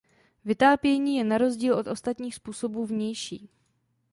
Vytápění je na rozdíl od ostatních způsobů vnější.